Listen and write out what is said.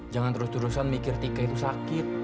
jangan terus terusan mikir tika itu sakit